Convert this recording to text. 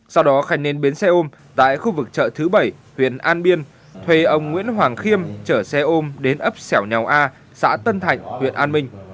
sau đó khánh nên biến xe ôm tại khu vực chợ thứ bảy huyện an biên thuê ông nguyễn hoàng khiêm chở xe ôm đến ấp sẻo nhào a xã tân thạnh huyện an minh